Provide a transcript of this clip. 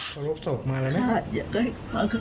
ขอรบศพมาแล้วนะครับ